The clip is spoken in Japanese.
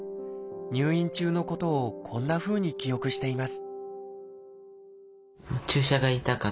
入院中のことをこんなふうに記憶しています